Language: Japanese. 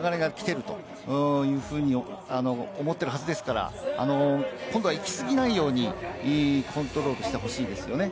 流れが来ているというふうに思っているはずですから、行き過ぎないようにコントロールしてほしいですよね。